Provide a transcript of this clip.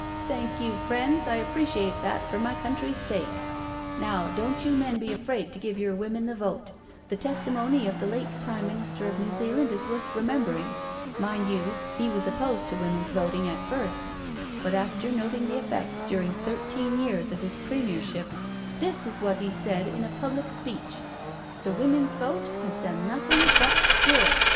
" Thank you, friends, I appreciate that for my coun try's sake. Now don't you men be afraid to give your women the vote — the testimony of the late Prime Minis ter of New Zealand is worth remembering — ^mind you, he was opposed to Women's Voting at first, but after noting the effects during thirteen years of his Premier ship this is what he said in a public speech — ^The Woman's Vote has done nothing but good.